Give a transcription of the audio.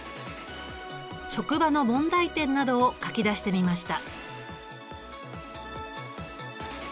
職場の問題点などを書き出してみました。